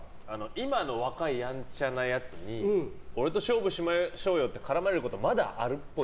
今の若いやんちゃなやつに俺と勝負しましょうよって絡まれることまだあるっぽい。